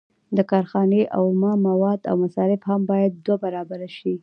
د کارخانې اومه مواد او مصارف هم باید دوه برابره شي